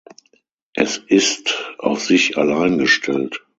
Es ist auf sich allein gestellt.